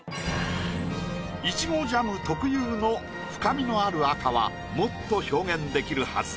いちごジャム特有の深みのある赤はもっと表現できるはず。